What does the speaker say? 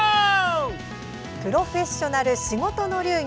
「プロフェッショナル仕事の流儀」